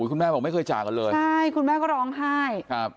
คุณแม่บอกไม่เคยจากกันเลยใช่คุณแม่ก็ร้องไห้ครับ